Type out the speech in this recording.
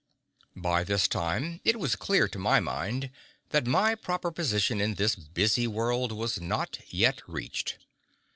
By this time it was clear to my mind that my proper position in this busy world was not yet reached.